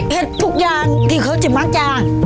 เหตุทุกอย่างที่เค้าจะมาจ้าง